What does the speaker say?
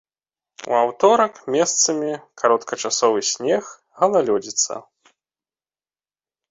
У аўторак месцамі кароткачасовы снег, галалёдзіца.